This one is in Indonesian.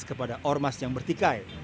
kepada ormas yang bertikai